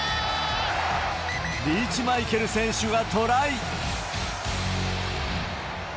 リーチマイケル選手がトライ。